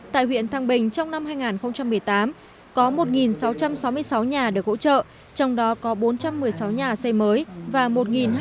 tại huyện thăng bình trong năm hai nghìn một mươi tám